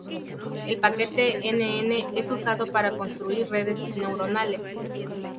El paquete nn es usado para construir redes neuronales.